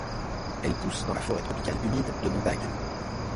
Elle pousse dans la forêt tropicale humide de montagne.